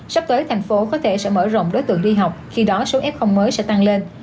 sắp tới thành phố có thể sẽ mở rộng đối tượng đi học khi đó số f mới sẽ tăng lên